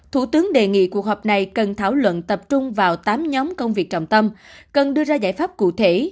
thủ tướng đề nghị cuộc họp này cần thảo luận tập trung vào tám nhóm công việc trọng tâm cần đưa ra giải pháp cụ thể